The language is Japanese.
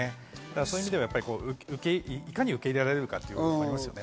そういう意味ではいかに受け入れられるかということですよね。